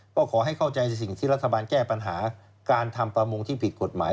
ก็ขอให้เข้าใจในสิ่งที่รัฐบาลแก้ปัญหาการทำประมงที่ผิดกฎหมาย